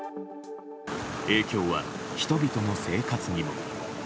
影響は人々の生活にも。